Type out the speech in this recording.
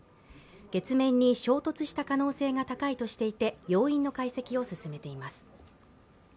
月面に衝突した可能性が高いとしていて要因の解析を進めています。